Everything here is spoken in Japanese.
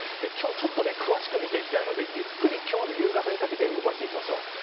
今日ちょっと詳しく見ていきたいのでゆっくり今日の夕方にかけて動かしていきます。